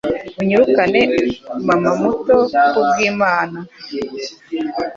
Unyirukane, mama muto, kubwImana!